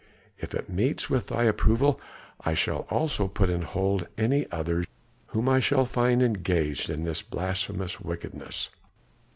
If it meets with thy approval I shall also put in hold any others whom I shall find engaged in this blasphemous wickedness."